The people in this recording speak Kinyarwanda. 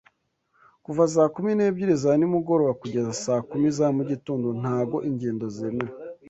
Kuva saa kumi nebyiri za nimugoroba kugeza saa kumi za mugitondo ntago ingendo zemewe